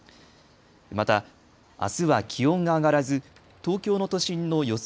また、あすは気温が上がらず東京の都心の予想